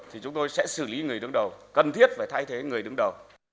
thì chúng tôi sẽ xử lý người đứng đầu cần thiết phải thay thế người đứng đầu